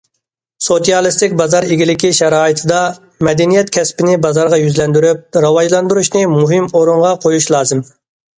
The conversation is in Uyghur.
سوتسىيالىستىك بازار ئىگىلىكى شارائىتىدا مەدەنىيەت كەسپىنى بازارغا يۈزلەندۈرۈپ راۋاجلاندۇرۇشنى مۇھىم ئورۇنغا قويۇش لازىم.